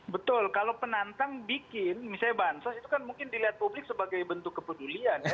betul kalau penantang bikin misalnya bansos itu kan mungkin dilihat publik sebagai bentuk kepedulian